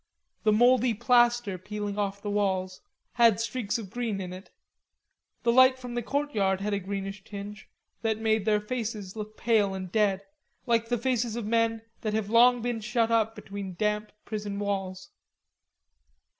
The mouldy plaster peeling off the walls had streaks of green in it. The light from the courtyard had a greenish tinge that made their faces look pale and dead, like the faces of men that have long been shut up between damp prison walls.